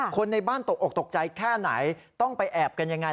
คนในบ้านตกออกตกใจแค่ไหนต้องไปแอบกันยังไง